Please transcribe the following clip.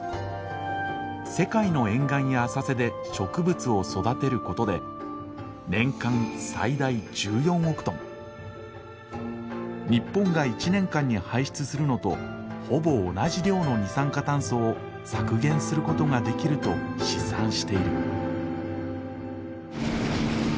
世界の沿岸や浅瀬で植物を育てることで年間最大１４億トン日本が１年間に排出するのとほぼ同じ量の二酸化炭素を削減することができると試算している。